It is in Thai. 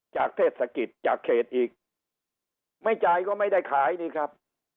เทศกิจจากเขตอีกไม่จ่ายก็ไม่ได้ขายนี่ครับ